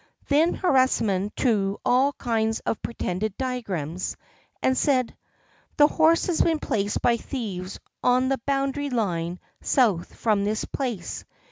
Then Harisarman drew all kinds of pretended diagrams, and said: "The horse has been placed by thieves on the boundary line south from this place.